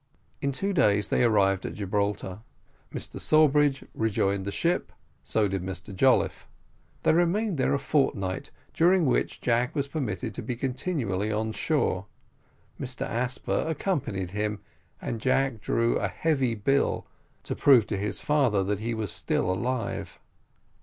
In two days they arrived at Gibraltar Mr Sawbridge rejoined the ship so did Mr Jolliffe they remained there a fortnight, during which Jack was permitted to be continually on shore Mr Asper accompanied him, and Jack drew a heavy bill to prove to his father that he was still alive.